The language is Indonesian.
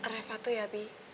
reva tuh ya pi